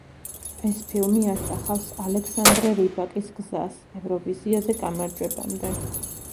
ეს ფილმი ასახავს ალექსანდრე რიბაკის გზას ევროვიზიაზე გამარჯვებამდე.